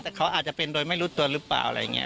แต่เขาอาจจะเป็นโดยไม่รู้ตัวหรือเปล่าอะไรอย่างนี้